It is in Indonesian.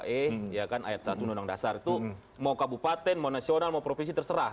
dua puluh dua e ayat satu undang undang dasar itu mau kabupaten mau nasional mau provinsi terserah